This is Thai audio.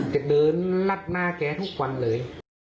จะเดินลัดหน้าแกทุกวันเลย